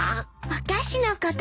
お菓子のことよ。